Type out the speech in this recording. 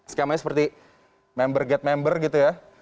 skemanya seperti member get member gitu ya